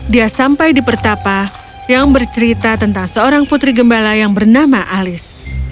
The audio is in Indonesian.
dia sampai di pertapa yang bercerita tentang seorang putri gembala yang bernama alis